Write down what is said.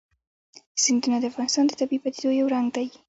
سیندونه د افغانستان د طبیعي پدیدو یو رنګ دی.